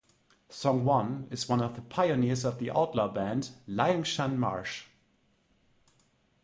Song Wan is one of the pioneers of the outlaw band at Liangshan Marsh.